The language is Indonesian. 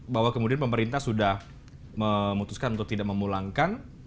bahwa kemudian pemerintah sudah memutuskan untuk tidak memulangkan